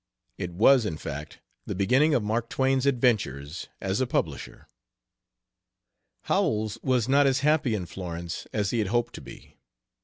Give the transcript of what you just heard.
It was, in fact, the beginning of Mark Twain's adventures as a publisher. Howells was not as happy in Florence as he had hoped to be.